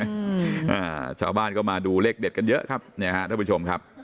อ่าชาวบ้านก็มาดูเลขเด็ดกันเยอะครับเนี่ยฮะท่านผู้ชมครับ